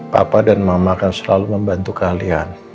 papa dan mama akan selalu membantu kalian